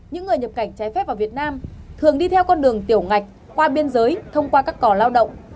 những người nhập cảnh trái phép vào việt nam thường đi theo con đường tiểu ngạch qua biên giới thông qua các cò lao động